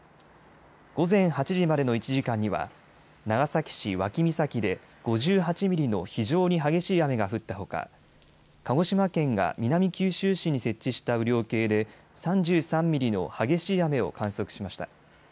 午前８時までの１時間には長崎市脇岬で５８ミリの非常に激しい雨が降ったほか鹿児島県が南九州市に設置した雨量計で３３ミリの激しい雨を観測しました。